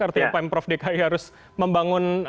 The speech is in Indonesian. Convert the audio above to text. artinya pm prof dki harus membangun